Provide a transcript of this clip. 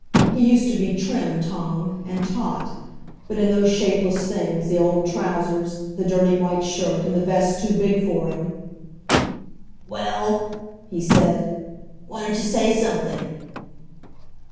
He used to be trim Tom and taut, but in those shapeless things, the old trousers, the dirty white shirt, and the vest too big for him "Well," he said, "why don't you say something?"